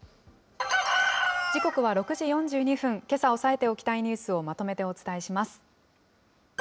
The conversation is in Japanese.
時刻は６時４２分、けさ押さえておきたいニュースをまとめてお伝えします。